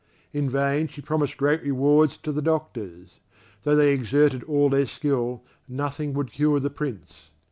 In vain she promised great rewards to the doctors; though they exerted all their skill, nothing would cure the Prince.